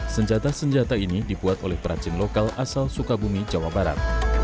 senjata senjata ini dibuat oleh perajin lokal asal sukabumi jawa barat